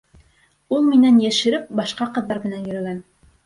Ул минән йәшереп башҡа ҡыҙҙар менән йөрөгән.